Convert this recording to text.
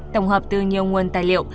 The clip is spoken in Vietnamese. tổng hợp từ nhiều nguồn tài liệu